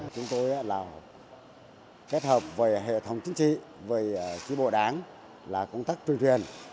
chúng tôi là kết hợp với hệ thống chính trị với chí bộ đảng là công tác truyền thuyền